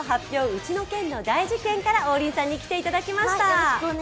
ウチの県の大事ケン」から王林さんに来ていただきました。